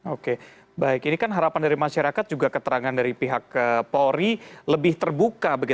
oke baik ini kan harapan dari masyarakat juga keterangan dari pihak polri lebih terbuka